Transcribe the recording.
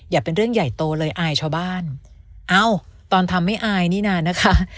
อย่าเป็นเรื่องใหญ่โตเลยอายชาวบ้านเอ้าตอนทำไม่อายนี่นานนะคะ